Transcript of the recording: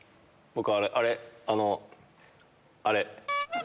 あれあのあれ。